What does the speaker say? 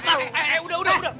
eh eh eh udah udah udah